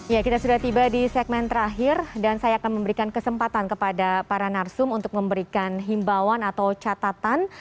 ya kita sudah tiba di segmen terakhir dan saya akan memberikan kesempatan kepada para narsum untuk memberikan himbauan atau catatan